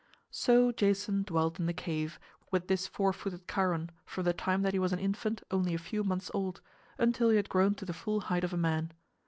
So Jason dwelt in the cave, with this four footed Chiron from the time that he was an infant only a few months old, until he had grown to the full height of a man.